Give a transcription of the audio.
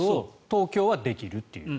東京はできるという。